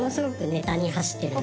ネタに走ってる？